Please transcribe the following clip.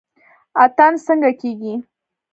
اتن څنګه کیږي؟